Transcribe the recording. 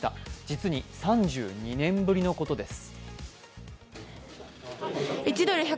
実に３２年ぶりのことです。